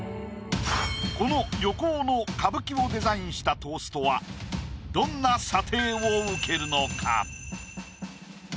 この横尾の歌舞伎をデザインしたトーストはどんな査定を受けるのか？